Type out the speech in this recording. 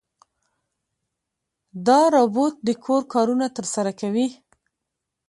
دا روبوټ د کور کارونه ترسره کوي.